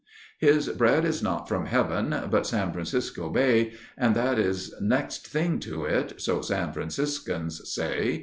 His bread is not from Heaven—but San Francisco Bay And that is next thing to it—so San Franciscans say.